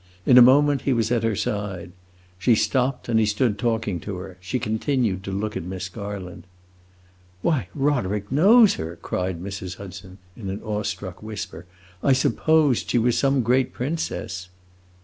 In a moment he was at her side. She stopped, and he stood talking to her; she continued to look at Miss Garland. "Why, Roderick knows her!" cried Mrs. Hudson, in an awe struck whisper. "I supposed she was some great princess."